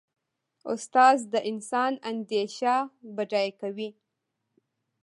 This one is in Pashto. استاد د انسان اندیشه بډایه کوي.